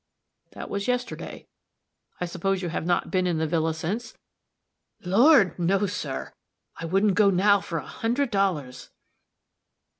"That was yesterday. I suppose you have not been in the villa since?" "Lord! no, sir. I wouldn't go now for a hundred dollars."